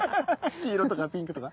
黄色とかピンクとか。